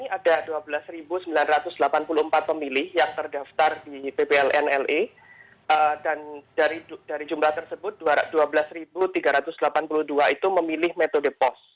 ada dua belas sembilan ratus delapan puluh empat pemilih yang terdaftar di pblnle dan dari jumlah tersebut dua belas tiga ratus delapan puluh dua itu memilih metode pos